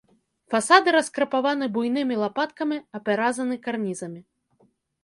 Фасады раскрапаваны буйнымі лапаткамі, апяразаны карнізамі.